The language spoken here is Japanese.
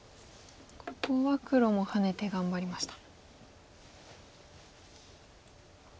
ここは黒もハネて頑張りました。